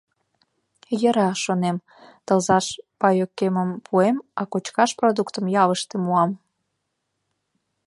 Йӧра, шонем, тылзаш паёкемым пуэм, а кочкаш продуктым ялыште муам.